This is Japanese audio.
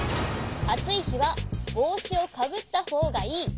「あついひはぼうしをかぶったほうがいい」。